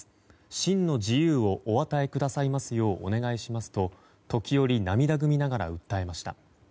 真の自由をお与えくださいますようお願いしますと時折涙ぐみながら訴えました。